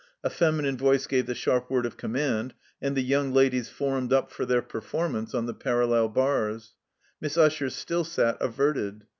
A feminine voice gave the sharp word of command, and the Young Ladies formed up for their performance on the parallel bars. Miss Usher still sat averted.